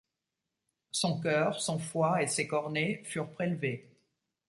Son cœur, son foie et ses cornées furent prélevés.